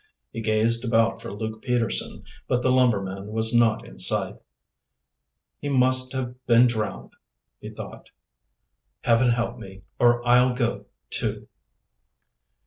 He gazed about for Luke Peterson, but the lumberman was not in sight. "He must have been drowned," he thought. "Heaven help me, or I'll go, too!"